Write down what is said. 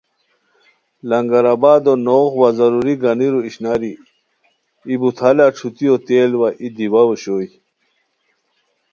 لنگر آبادو نوغ وا ضروری گانیرو اشناری ای بوتھالہ ݯھوتیو تیل وا ای دیوا اوشوئے